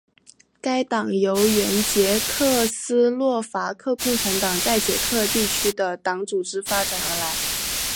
该党由原捷克斯洛伐克共产党在捷克地区的党组织发展而来。